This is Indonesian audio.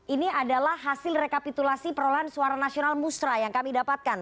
ini adalah hasil rekapitulasi perolahan suara nasional musrah yang kami dapatkan